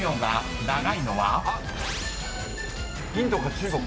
インドか中国か。